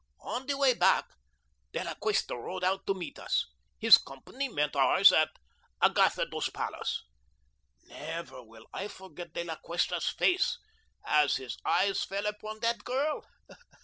On our way back, De La Cuesta rode out to meet us. His company met ours at Agatha dos Palos. Never will I forget De La Cuesta's face as his eyes fell upon the girl.